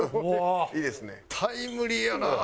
タイムリーやな。